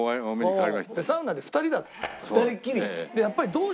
サウナで２人だったんです。